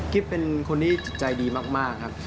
เป็นคนที่จิตใจดีมากครับ